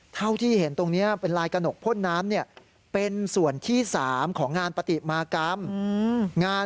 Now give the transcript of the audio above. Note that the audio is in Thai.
เท่าที่เห็นตรงนี้เป็นลายกระหนกพ่นน้ำ